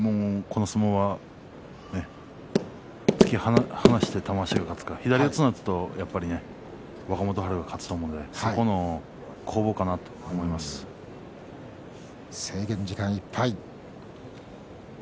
この相撲は突き放して玉鷲が勝つか左四つになるとやっぱり若元春が勝つと思うので制限時間いっぱい。